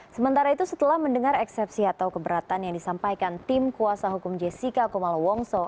sementara itu setelah mendengar eksepsi atau keberatan yang disampaikan tim kuasa hukum jessica kumala wongso